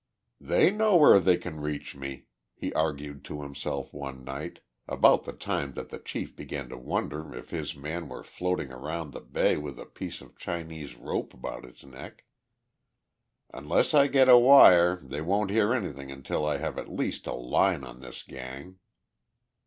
"They know where they can reach me," he argued to himself one night, about the time that the chief began to wonder if his man were floating around the bay with a piece of Chinese rope about his neck. "Unless I get a wire they won't hear anything until I have at least a line on this gang."